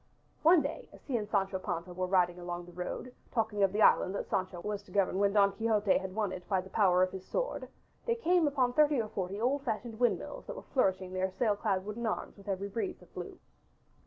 One day, as he and Sancho Panza were riding along the road, talking of the island that Sancho was to govern when Don Quixote should have won it by the power of his sword, they came upon thirty or forty old fashioned windmills that were flourishing their sail clad wooden arms with every breeze that blew.